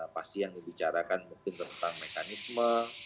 pasti yang dibicarakan mungkin tentang mekanisme